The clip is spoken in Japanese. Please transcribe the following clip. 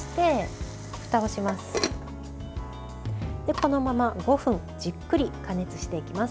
このまま５分じっくり加熱していきます。